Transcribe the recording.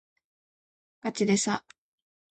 がちでさ